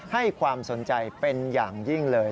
ให้ความสนใจเป็นอย่างยิ่งเลย